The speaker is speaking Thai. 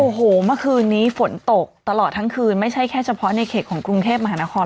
โอ้โหเมื่อคืนนี้ฝนตกตลอดทั้งคืนไม่ใช่แค่เฉพาะในเขตของกรุงเทพมหานคร